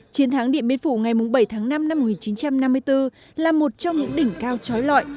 chiến thắng điện biên phủ ngày bảy tháng năm năm một nghìn chín trăm năm mươi bốn là một trong những đỉnh cao trói lọi